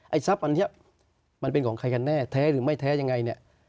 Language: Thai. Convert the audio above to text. ทรัพย์อันนี้มันเป็นของใครกันแน่แท้หรือไม่แท้ยังไงเนี่ย